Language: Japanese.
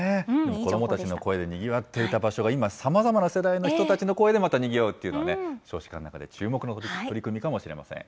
子どもたちの声でにぎわっていた場所が今、さまざまな世代の人たちの声で、またにぎわうっていうのは少子化の中で注目の取り組みかもしれません。